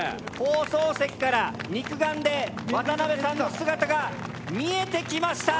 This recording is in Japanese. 放送席から肉眼で渡邊さんの姿が見えてきました。